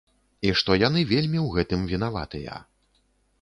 І што яны вельмі ў гэтым вінаватыя.